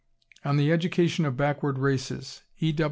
"On the Education of Backward Races," E.